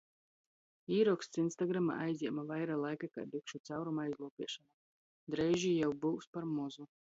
Īroksts Instagramā aizjēme vaira laika kai bikšu cauruma aizluopeišona. Dreiži jau byus par mozu.